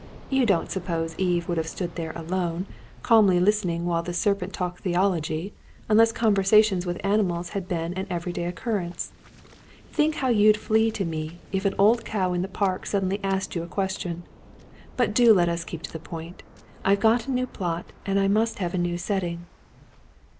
You don't suppose Eve would have stood there alone, calmly listening while the serpent talked theology, unless conversations with animals had been an every day occurrence. Think how you'd flee to me, if an old cow in the park suddenly asked you a question. But do let's keep to the point. I've got a new plot, and I must have a new setting."